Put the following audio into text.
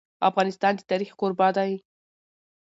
افغانستان د تاریخ کوربه دی.